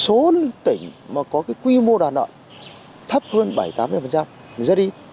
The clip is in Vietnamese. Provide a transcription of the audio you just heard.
số tỉnh có quy mô đoàn đoạn thấp hơn bảy tám mươi là rất ít